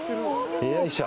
よいしょ。